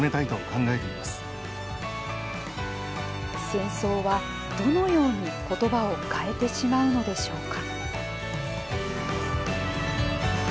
戦争はどのように「言葉」を変えてしまうのでしょうか。